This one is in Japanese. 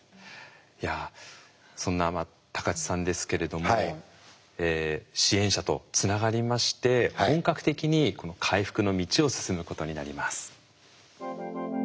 いやそんな高知さんですけれども支援者とつながりまして本格的に回復の道を進むことになります。